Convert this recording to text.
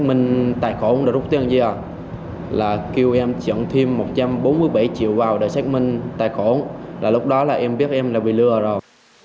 xét minh tài khoản đã rút tiền ra là kêu em chọn thêm một trăm bốn mươi bảy triệu vào để xét minh tài khoản là lúc đó là em biết em đã bị lừa rồi